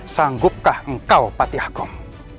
sanggupkah engkau patih agung